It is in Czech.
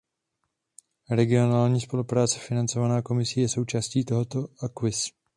Regionální spolupráce financovaná Komisí je součástí tohoto acquis.